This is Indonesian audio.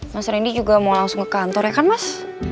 mas randy juga mau langsung ke kantor ya kan mas